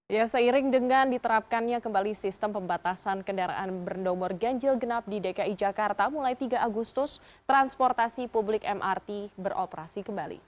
ya seiring dengan diterapkannya kembali sistem pembatasan kendaraan bernomor ganjil genap di dki jakarta mulai tiga agustus transportasi publik mrt beroperasi kembali